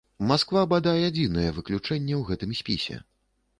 Масква, бадай, адзінае выключэнне ў гэтым спісе.